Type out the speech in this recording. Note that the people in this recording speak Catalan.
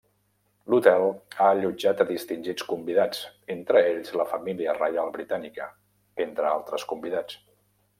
L'hotel ha allotjat a distingits convidats entre ells la família reial britànica entre altres convidats.